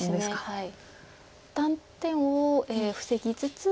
はい。